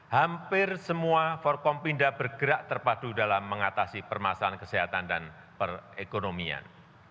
hampir semua forkompinda bergerak terpadu dalam mengatasi permasalahan kesehatan dan perekonomian